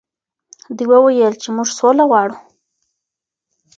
دوی وویل چې موږ سوله غواړو.